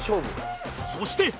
そして